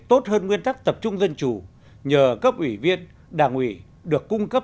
tốt hơn nguyên tắc tập trung dân chủ nhờ cấp ủy viên đảng ủy được cung cấp